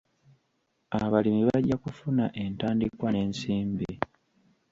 Abalimi bajja kufuna entandikwa n'ensimbi.